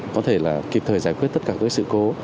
có thể là kịp thời giải quyết tất cả các sự cố